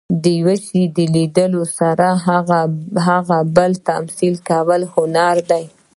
د یو شي په لیدلو سره هغه بیا تمثیل کول، هنر دئ.